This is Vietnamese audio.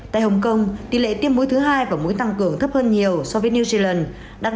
tại hồng kông tỷ lệ tiêm mũi thứ hai và mũi tăng cường thấp hơn nhiều so với new zealand đạt